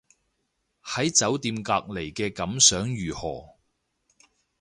喺酒店隔離嘅感想如何